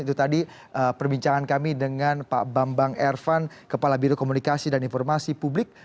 itu tadi perbincangan kami dengan pak bambang ervan kepala biro komunikasi dan informasi publik